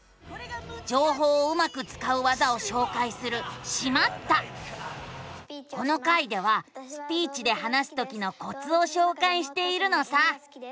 じょうほうをうまくつかう技をしょうかいするこの回ではスピーチで話すときのコツをしょうかいしているのさ。